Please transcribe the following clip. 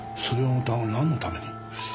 それはまたなんのために？